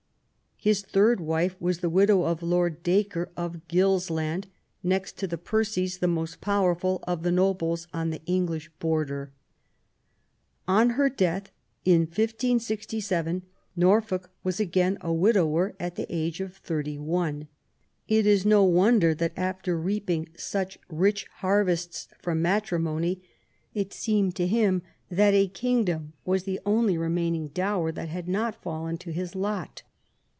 His third wife was the widow of Lord Dacre of Gilsland, next to the Percies the most powerful of the nobles on the English Border. On her death, in 1567, Nor folk was again a widower, at the age of thirty one. It is no wonder that, after reaping such rich harvests from matrimony, it seemed to him that a kingdom was the only remaining dower which had not fallen to his lot.